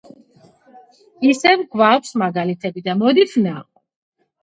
ისევ გვაქვს მაგალითები და მოდით ვნახოთ.